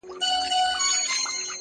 د آهنگر يو ټک ، دزرگر سل ټکه.